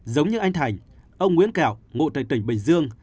giống như anh thành ông nguyễn kẹo ngụ tại tỉnh bình dương